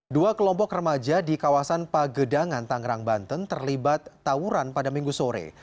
dua kelompok remaja di kawasan pagedangan tangerang banten terlibat tawuran pada minggu sore